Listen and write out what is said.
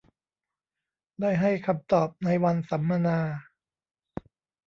ได้ให้คำตอบในวันสัมมนา